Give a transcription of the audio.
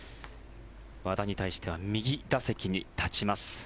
和田に対しては右打席に立ちます。